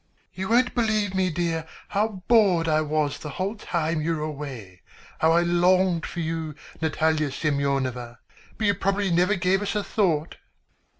"You wouldn't believe me, dear, how bored I was the whole time you were away, how I longed for you, Natalie Semyonovna. But you probably never gave us a thought."